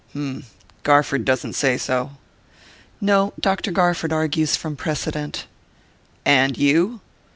"H'm Garford doesn't say so." "No; Dr. Garford argues from precedent." "And you?"